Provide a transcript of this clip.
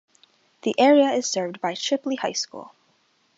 The area is served by Chipley High School.